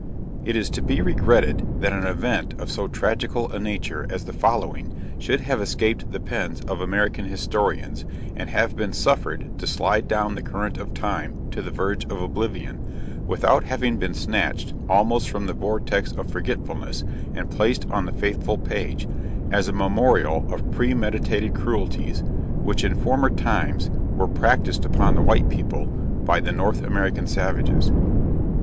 It is to be regretted that an event of so tragical a nature as the following, should have escaped the pens of American Historians, and have been suffered to slide down the current of time, to the verge of oblivion, without having been snatched almost from the vortex of forgetfulness, and placed on the faithful page, as a memorial of premeditated cruelties, which, in former times, were practised upon the white people, by the North American Savages.